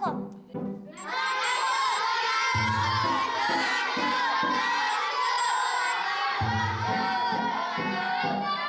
lanjut lanjut lanjut